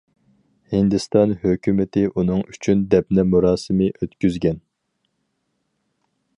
ھىندىستان ھۆكۈمىتى ئۇنىڭ ئۈچۈن دەپنە مۇراسىمى ئۆتكۈزگەن.